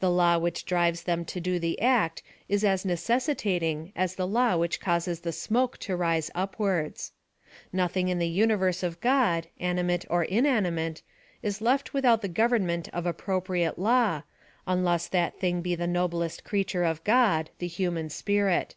The law which drives them to tht act is as necessitating as the law which causes tho smoke to rise upwards. Nothing in the universe of God, animate or inanimate, is left without the government of appropriate law, unless that thino be the noblest creature of God — the human spirit.